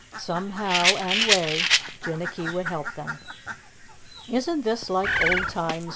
Some how and way Jinnicky would help them. "Isn't this like old times?"